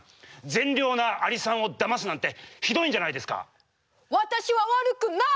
善良なアリさんをだますなんてひどいんじゃないですか！